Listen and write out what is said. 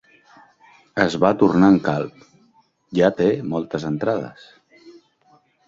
Es va tornant calb: ja té moltes entrades.